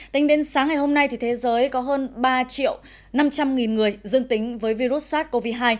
tính đến sáng ngày hôm nay thế giới có hơn ba triệu năm trăm linh nghìn người dương tính với virus sars cov hai